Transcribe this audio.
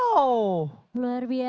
luar biasa ya